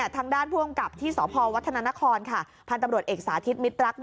ทางด้านพวงกลับที่สพวัฒนานครพันธ์ตำรวจเอกสาธิตมิตรักษ์